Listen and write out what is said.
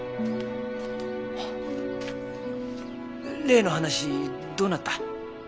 例の話どうなった？